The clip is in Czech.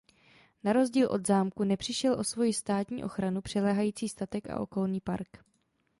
Na rozdíl od zámku nepřišel o svoji státní ochranu přiléhající statek a okolní park.